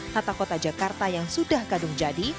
tata kota jakarta yang sudah kadung jadi